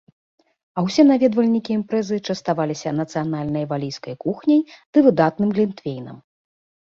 А ўсе наведвальнікі імпрэзы частаваліся нацыянальнай валійскай кухняй ды выдатным глінтвейнам.